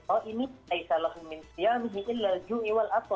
oh ini aisa lahum min siam hi ilal ju'i wal apos